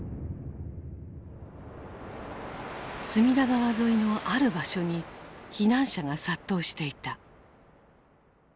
隅田川沿いのある場所に避難者が殺到していた。